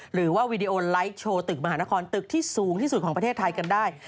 วีดีโอไลค์โชว์ตึกมหานครตึกที่สูงที่สุดของประเทศไทยกันได้